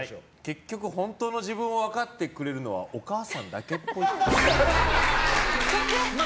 結局本当の自分を分かってくれるのはお母さんだけっぽい。